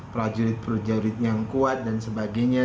prajurit prajurit yang kuat dan sebagainya